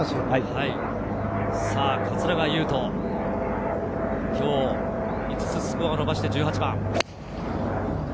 桂川有人、今日５つスコアを伸ばして１８番。